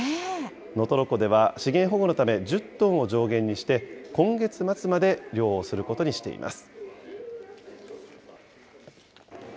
能取湖では、資源保護のため、１０トンを上限にして、今月末まで漁をすることにしています。